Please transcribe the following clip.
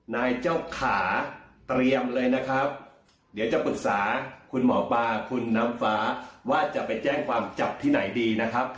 นายเจ้าขาเตรียมเลยนะครับเดี๋ยวจะปรึกษาคุณหมอปลาคุณน้ำฟ้าว่าจะไปแจ้งความจับที่ไหนดีนะครับ